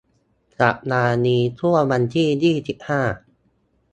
สัปดาห์นี้ช่วงวันที่ ยี่สิบห้า